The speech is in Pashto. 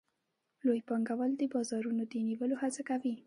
لوی پانګوال د بازارونو د نیولو هڅه کوي